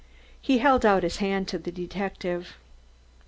He held out his hand to the detective.